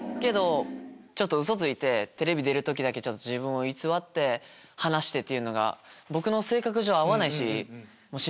ウソついてテレビ出る時だけ自分を偽って話してっていうのが僕の性格上合わないし。